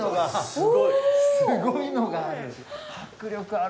すごい！すごいのがある。